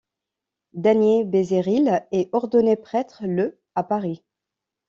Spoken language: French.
Danier Pézeril est ordonné prêtre le à Paris.